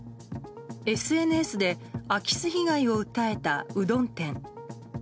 ＳＮＳで空き巣被害を訴えたうどん店。